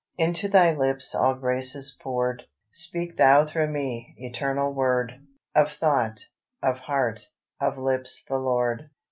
"Into Thy lips all grace is poured, Speak Thou through me, Eternal Word, Of thought, of heart, of lips the Lord."